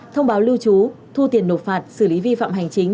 thông báo lưu trú thu tiền nộp phạt xử lý vi phạm hành chính